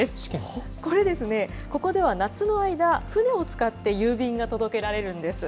これ、ここでは夏の間、船を使って郵便が届けられるんです。